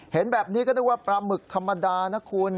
เห็นแบบนี้ก็นึกว่าปลาหมึกธรรมดานะคุณ